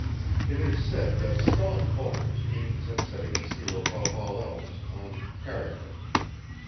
It is said that Skull and Bones aims at setting its seal above all else on character.